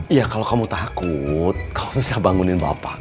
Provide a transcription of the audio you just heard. iya kalau kamu takut kamu bisa bangunin bapak